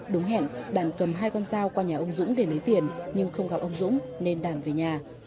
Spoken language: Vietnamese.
đúng hẹn đàn cầm hai con dao qua nhà ông dũng để lấy tiền nhưng không gặp ông dũng nên đàn về nhà